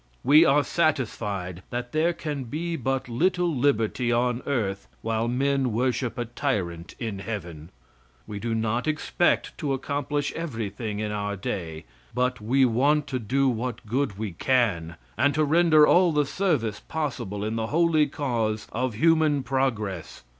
We are satisfied that there can be but little liberty on earth while men worship a tyrant in heaven. We do not expect to accomplish everything in our day; but we want to do what good we can, and to render all the service possible in the holy cause of human progress.